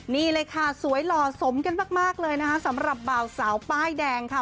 นี่เลยค่ะสวยหล่อสมกันมากเลยนะคะสำหรับบ่าวสาวป้ายแดงค่ะ